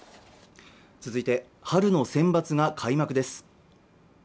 続いて春のセンバツが開幕です